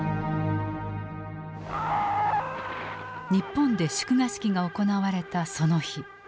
日本で祝賀式が行われたその日。